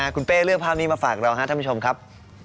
คุณเป้เลือกภาพนี้มาฝากเราครับท่านผู้ชมครับ